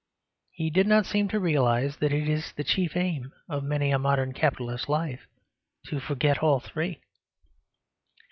He did not seem to realise that it is the chief aim of many a modern capitalist's life to forget all three.